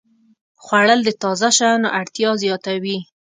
خوړل د تازه شیانو اړتیا زیاتوي